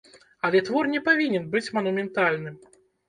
Але твор не павінен быць манументальным.